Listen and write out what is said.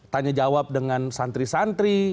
tanya jawab dengan santri santri